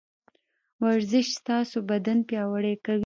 ورزش ستاسو بدن پياوړی کوي.